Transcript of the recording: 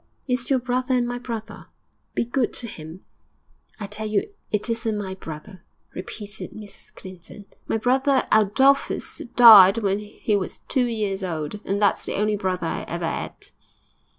'It's your brother and my brother. Be good to him.' 'I tell you it isn't my brother,' repeated Mrs Clinton; 'my brother Adolphus died when he was two years old, and that's the only brother I ever 'ad.'